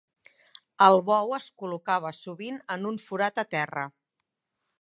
El bou es col·locava sovint en un forat a terra.